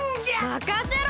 まかせろ！